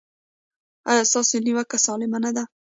ایا ستاسو نیوکه سالمه نه ده؟